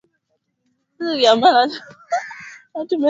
kuchimba ili kuifikia wakiwa katika uchimbaji ghafla